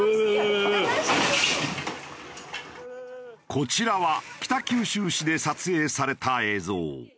こちらは北九州市で撮影された映像。